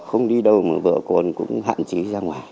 không đi đâu mà vợ con cũng hạn chế ra ngoài